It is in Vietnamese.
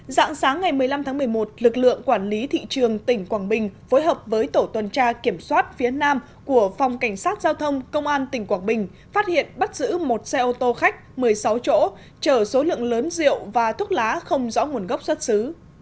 dạng sáng ngày một mươi năm tháng một mươi một lực lượng quản lý thị trường tỉnh quảng bình phối hợp với tổ tuần tra kiểm soát phía nam của phòng cảnh sát giao thông công an tỉnh quảng bình phát hiện bắt giữ một xe ô tô khách một mươi sáu chỗ chở số lượng lớn rượu và thuốc lá không rõ nguồn gốc xuất xứ